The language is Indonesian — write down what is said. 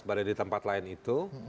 berada di tempat lain itu